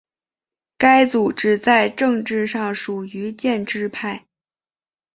该组织在政治上属于建制派。